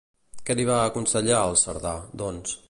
Què li va aconsellar el Cerdà, doncs?